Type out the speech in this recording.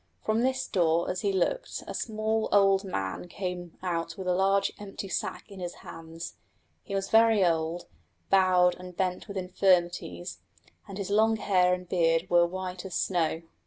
From this door as he looked a small old man came out with a large empty sack in his hands. He was very old, bowed and bent with infirmities, and his long hair and beard were white as snow.